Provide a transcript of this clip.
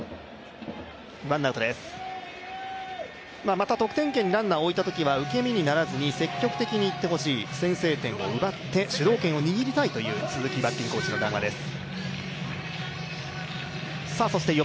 また、得点圏にランナーを置いたときには受け身にならずに積極的にいってほしい先制点を奪って、主導権を握りたいという鈴木バッティングコーチの談話です。